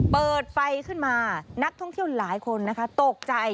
เปิดไฟขึ้นมานักท่องเที่ยวหลายคนนะคะตกใจ